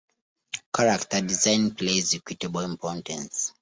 Character design plays equitable importance.